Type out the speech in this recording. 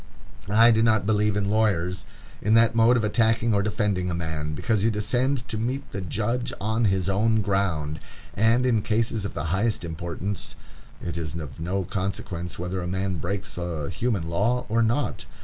I do not believe in lawyers, in that mode of attacking or defending a man, because you descend to meet the judge on his own ground, and, in cases of the highest importance, it is of no consequence whether a man breaks a human law or not.